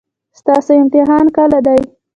ستاسو امتحان کله دی؟